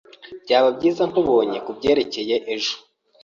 Byaba byiza nkubonye kubyerekeye ejo.